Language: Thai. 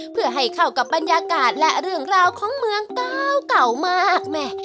เพื่อให้เข้ากับบรรยากาศและเรื่องราวของเมืองเก่ามากแม่